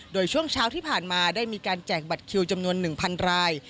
โดยช่วงเช้าที่ผ่านมาได้มีการแจกบัตรคิวจำนวน๑๐๐ราย